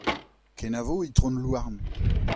Kenavo Itron Louarn.